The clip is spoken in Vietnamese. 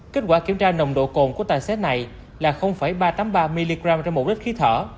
kết quả kiểm tra nồng độ cồn của tài xế này là ba trăm tám mươi ba mgm một đ khí thở